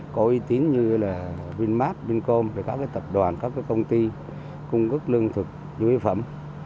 có uy tín như vinmart vincom các tập đoàn các công ty cung ứng lương thực dưới phẩm